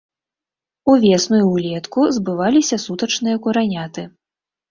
Увесну і ўлетку збываліся сутачныя кураняты.